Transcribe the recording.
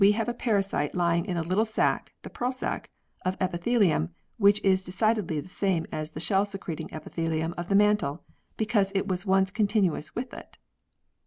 vin have a parasite lying in a little sac (the pearl sac) of epithelium which is decidedly the same as the shell secreting epithelium of the mantle, because it was once continuous with it (fig.